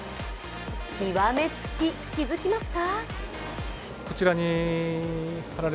極めつき、気づきますか？